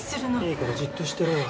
いいからじっとしてろよ。